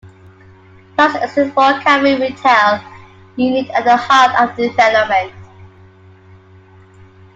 Plans exist for a cafe retail unit at the heart of the development.